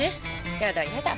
やだやだ。